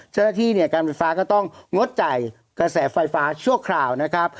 เจ้าหน้าที่เนี่ยการไฟฟ้าก็ต้องงดจ่ายกระแสไฟฟ้าชั่วคราวนะครับ